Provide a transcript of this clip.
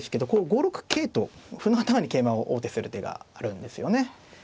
５六桂と歩の頭に桂馬を王手する手があるんですよね。